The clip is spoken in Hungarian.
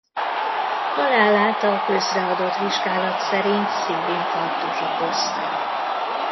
Halálát a közreadott vizsgálat szerint szívinfarktus okozta.